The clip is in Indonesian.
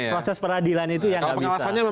proses peradilan itu yang nggak bisa